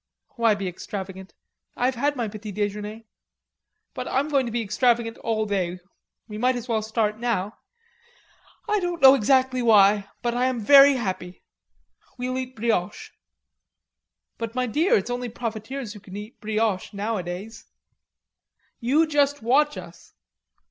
"Why be extravagant? I've had my petit dejeuner." "But I'm going to be extravagant all day.... We might as well start now. I don't know exactly why, but I am very happy. We'll eat brioches." "But, my dear, it's only profiteers who can eat brioches now a days." "You just watch us."